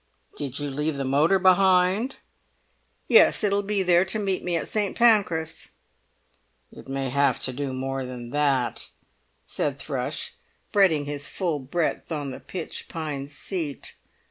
"Did you leave the motor behind?" "Yes; it'll be there to meet me at St. Pancras." "It may have to do more than that," said Thrush, spreading his full breadth on the pitch pine seat.